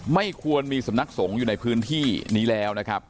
ไม่ควรมีสำนักสงฆ์อยู่ในพื้นที่นี้แล้วนะครับ